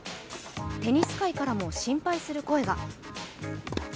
テニス界からも心配する声が。